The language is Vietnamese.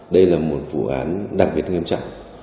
đây là một vụ án đặc biệt nghiêm trọng